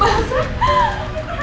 mama masuk ya nak